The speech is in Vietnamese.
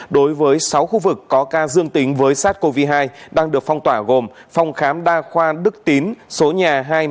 đối với sáu khu vực có ca dương tính với sars cov hai đang được phong tỏa gồm phòng khám đa khoa đức tín số nhà hai mươi sáu